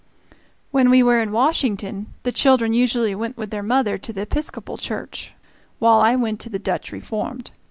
When we were in Washington, the children usually went with their mother to the Episcopal church, while I went to the Dutch Reformed.